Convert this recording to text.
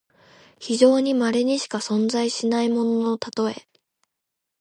非常にまれにしか存在しないもののたとえ。